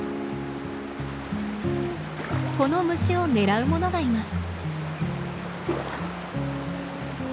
この虫を狙うものがいます。